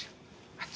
あっち。